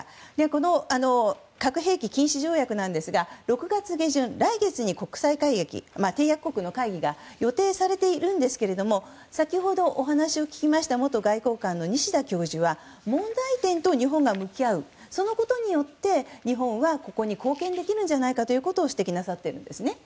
この核兵器禁止条約ですが６月下旬、来月に締約国の会議が予定されているんですけど先ほどお話を聞きました元外交官の西田教授は問題点と日本が向き合うそのことで日本は貢献できるのではと指摘なさっているんです。